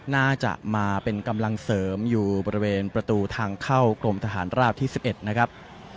น่าจะมาเป็นกำลังเสริมอยู่บริเวณประตูทางเข้ากรมทหารราบที่๑๑นะครับ